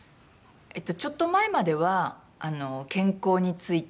ちょっと前までは健康について。